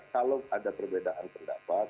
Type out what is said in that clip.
kalau ada perbedaan pendapat